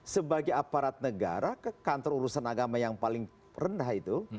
sebagai aparat negara ke kantor urusan agama yang paling rendah itu